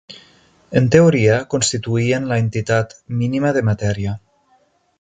En teoria constituïen la entitat mínima de matèria.